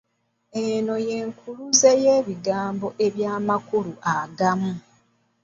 Eno nkuluze ya bigambo eby’amakulu agamu.